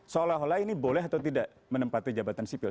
seolah olah ini boleh atau tidak menempati jabatan sipil